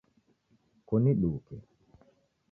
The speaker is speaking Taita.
Kuniduke